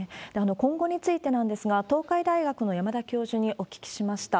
今後についてなんですが、東海大学の山田教授にお聞きしました。